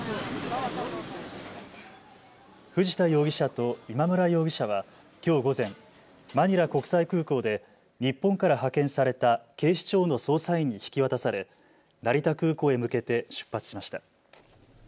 藤田容疑者と今村容疑者はきょう午前、マニラ国際空港で日本から派遣された警視庁の捜査員に引き渡され成田空港へ向けて出発しました。